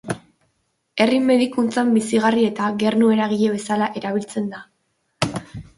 Herri medikuntzan bizigarri eta gernu eragile bezala erabiltzen da.